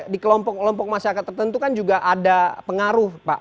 di kelompok kelompok masyarakat tertentu kan juga ada pengaruh pak